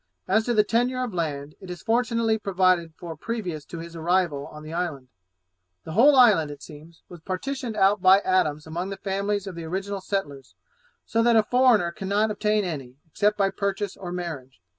As to the tenure of land, it is fortunately provided for previous to his arrival on the island. The whole island, it seems, was partitioned out by Adams among the families of the original settlers, so that a foreigner cannot obtain any, except by purchase or marriage.